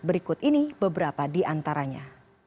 berikut ini beberapa di antaranya